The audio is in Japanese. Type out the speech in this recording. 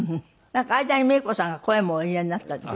なんか間にメイコさんが声もお入れになったって？